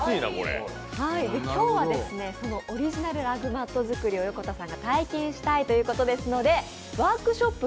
今日はオリジナルラグマット作りを横田さんが体験したいということですのでワークショップ